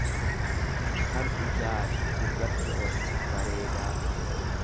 kan ijaafi gurratti tolu, bareedaa.